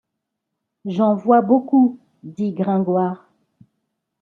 J’en vois beaucoup, dit Gringoire.